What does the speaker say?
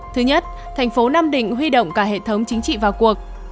thứ nhất tp nam định huy động cả hệ thống chính trị vào cuộc